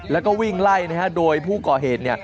แล้วก็วิ่งไล่โดยผู้ก่อเหตุ